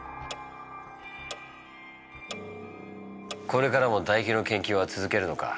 これからもだ液の研究は続けるのか？